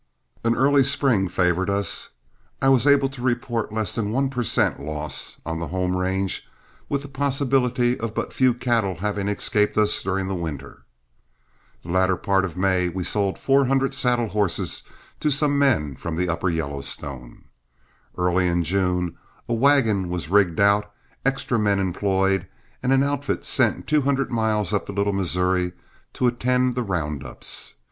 An early spring favored us. I was able to report less than one per cent. loss on the home range, with the possibility of but few cattle having escaped us during the winter. The latter part of May we sold four hundred saddle horses to some men from the upper Yellowstone. Early in June a wagon was rigged out, extra men employed, and an outfit sent two hundred miles up the Little Missouri to attend the round ups.